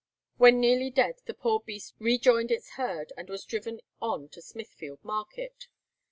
When nearly dead the poor beast rejoined its herd, and was driven on to Smithfield market.